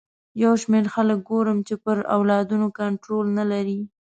یو شمېر خلک ګورم چې پر اولادونو کنټرول نه لري.